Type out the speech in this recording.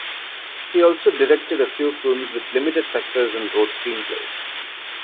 He also directed a few films with limited success, and wrote screenplays.